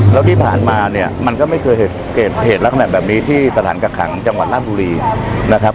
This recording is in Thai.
แล้วที่ผ่านมาเนี่ยมันก็ไม่เคยเกิดเหตุลักษณะแบบนี้ที่สถานกักขังจังหวัดราชบุรีนะครับ